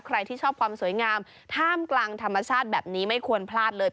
ใครที่ชอบความสวยงามท่ามกลางธรรมชาติแบบนี้ไม่ควรพลาดเลย